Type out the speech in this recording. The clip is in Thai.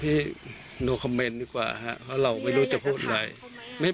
พี่ดูคอมเมนต์ดีกว่าฮะเพราะเราไม่รู้จะพูดอะไรไม่